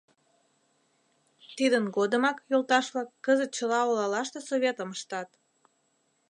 — Тидын годымак, йолташ-влак, кызыт чыла олалаште Советым ыштат.